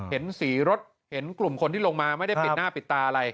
เห็นสีรถเห็นกลุ่มคนที่ลงมาไม่ได้ปิดหน้าปิดตาอะไร